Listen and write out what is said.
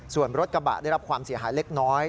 ส่วนรถกระบะได้รับความเสียหายเล็กน้อย